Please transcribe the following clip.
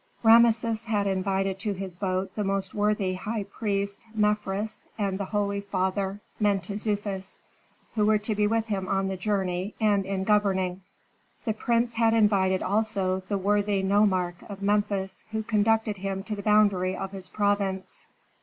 Rameses had invited to his boat the most worthy high priest Mefres and the holy father Mentezufis, who were to be with him on the journey and in governing. The prince had invited also the worthy nomarch of Memphis, who conducted him to the boundary of his province.